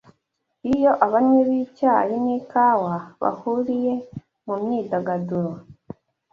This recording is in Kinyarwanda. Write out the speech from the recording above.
iyo abanywi b’icyayi n’ikawa bahuriye mu myidagaduro